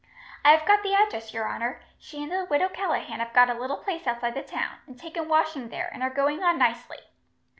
"I have got the address, your honour. She and the widow Callaghan have got a little place outside the town, and take in washing there, and are going on nicely."